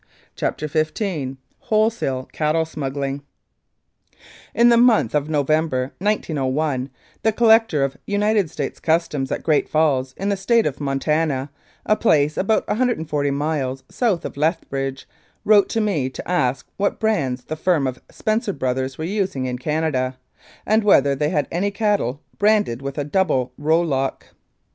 CHAPTER XV WHOLESALE CATTLE SMUGGLING IN the month of November, 1901, the Collector of United States Customs at Great Falls, in the State of Montana, a place about 140 miles south of Lethbridge, wrote to me to ask what brands the firm of Spencer Brothers were using in Canada, and whether they had any cattle branded with the double rowlock.